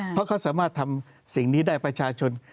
เพราะเขาสามารถทำสิ่งนี้ได้ประชาชน